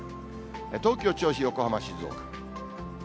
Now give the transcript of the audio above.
東京、銚子、横浜、静岡。